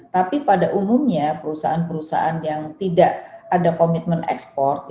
tapi pada umumnya perusahaan perusahaan yang tidak ada komitmen ekspor